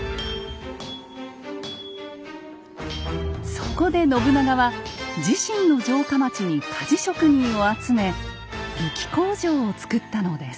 そこで信長は自身の城下町に鍛冶職人を集め武器工場をつくったのです。